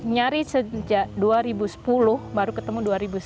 nyari sejak dua ribu sepuluh baru ketemu dua ribu sepuluh